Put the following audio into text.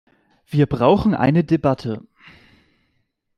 Wir brauchen eine Debatte.